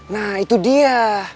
nah itu dia